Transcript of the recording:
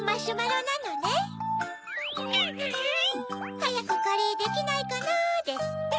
「はやくカレーできないかな！」ですって。